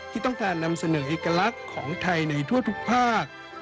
ที่ต้องการนำเสนอเอกลักษณ์ของไทยในทั่วทุกภาค